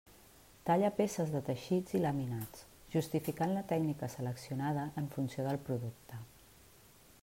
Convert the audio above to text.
Talla peces de teixits i laminats, justificant la tècnica seleccionada en funció del producte.